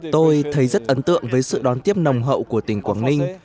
tôi thấy rất ấn tượng với sự đón tiếp nồng hậu của tỉnh quảng ninh